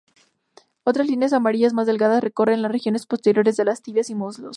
Otras líneas amarillas más delgadas recorren las regiones posteriores de las tibias y muslos.